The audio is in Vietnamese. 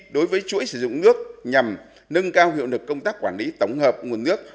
đối với chuỗi sử dụng nước nhằm nâng cao hiệu lực công tác quản lý tổng hợp nguồn nước